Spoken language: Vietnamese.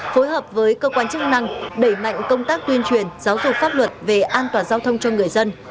phối hợp với cơ quan chức năng đẩy mạnh công tác tuyên truyền giáo dục pháp luật về an toàn giao thông cho người dân